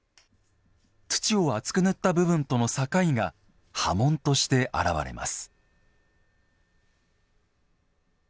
土を厚く塗った部分との境が刃文として現れます。